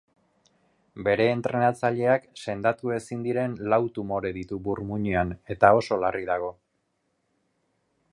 Bere entrenatzaileak sendatu ezin diren lau tumore ditu burmuinean eta oso larri dago.